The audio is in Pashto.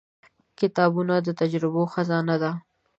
• کتابونه د تجربو خزانه ده.